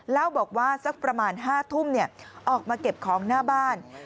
เล่าบอกว่าสักประมาณ๕ทุ่มออกมาเก็บของหน้าบ้าน